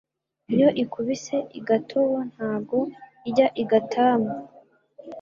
Iyo ikubutse i Gatobo Ntango ijya i Gatamu.